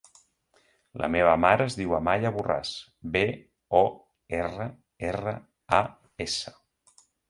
La meva mare es diu Amaia Borras: be, o, erra, erra, a, essa.